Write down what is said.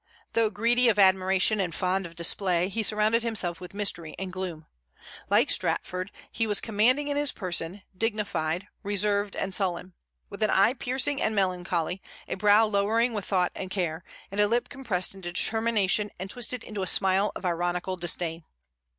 Though greedy of admiration and fond of display, he surrounded himself with mystery and gloom. Like Strafford, he was commanding in his person, dignified, reserved, and sullen; with an eye piercing and melancholy, a brow lowering with thought and care, and a lip compressed into determination and twisted into a smile of ironical disdain.